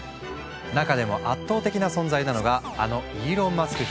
中でも圧倒的な存在なのがあのイーロン・マスク